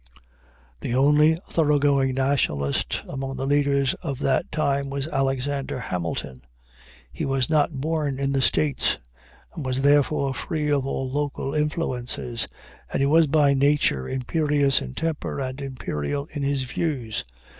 The only thorough going nationalist among the leaders of that time was Alexander Hamilton. He was not born in the States, and was therefore free from all local influences; and he was by nature imperious in temper and imperial in his views.